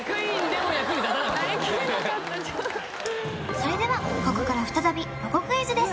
それではここから再びロゴクイズです